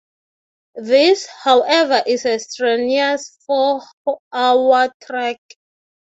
This, however is a strenuous four-hour trek.